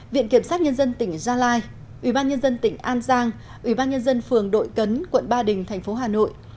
viện kiểm sát nhân dân tỉnh gia lai ủy ban nhân dân tỉnh an giang ủy ban nhân dân phường đội cấn quận ba đình thành phố hà nội